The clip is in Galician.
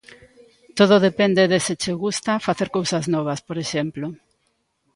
Todo depende de se che gusta facer cousas novas, por exemplo.